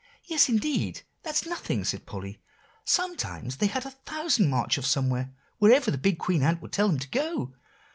] "Yes, indeed, that's nothing," said Polly; "sometimes they had a thousand march off somewhere, wherever the big Queen Ant would tell them to go.